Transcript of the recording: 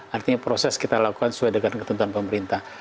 artinya proses kita lakukan sesuai dengan ketentuan pemerintah